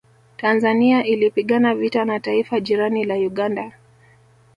Tanzania ilipigana vita na taifa jirani la Uganda